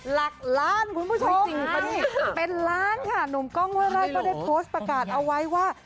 หลักล้านคุณผู้ชมเป็นล้านค่ะหนุ่มกล้องห้วยไร่ก็ได้โพสต์ประกาศเอาไว้ว่า